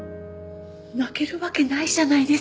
泣けるわけないじゃないですか。